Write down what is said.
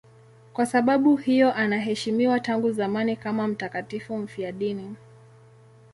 Kwa sababu hiyo anaheshimiwa tangu zamani kama mtakatifu mfiadini.